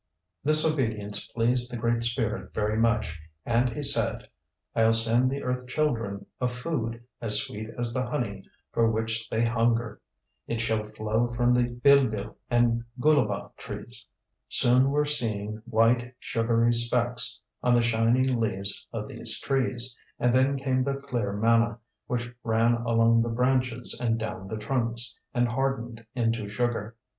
This obedience pleased the Great Spirit very much and he said, "I'll send the earth children a food as sweet as the honey for which they hunger. It shall flow from the Bilbil and Goolabah trees." Soon were seen white, sugary specks on the shining leaves of these trees, and then came the clear manna, which ran along the branches and down the trunks, and hardened into sugar.